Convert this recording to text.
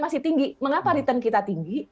masih tinggi mengapa return kita tinggi